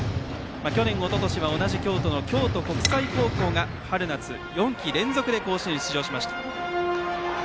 去年おととしは同じ京都の京都国際高校が春夏４季連続で甲子園出場しました。